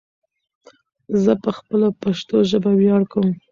ځه په خپله پشتو ژبه ویاړ کوم